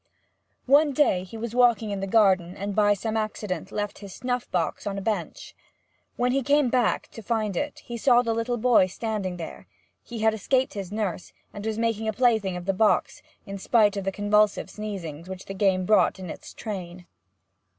One day he was walking in the garden, and by some accident left his snuff box on a bench. When he came back to find it he saw the little boy standing there; he had escaped his nurse, and was making a plaything of the box, in spite of the convulsive sneezings which the game brought in its train.